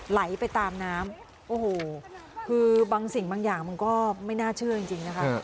ไหลไปตามน้ำโอ้โหคือบางสิ่งบางอย่างมันก็ไม่น่าเชื่อจริงนะคะ